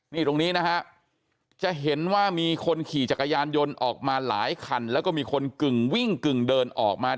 นี่ตรงนี้นะฮะจะเห็นว่ามีคนขี่จักรยานยนต์ออกมาหลายคันแล้วก็มีคนกึ่งวิ่งกึ่งเดินออกมา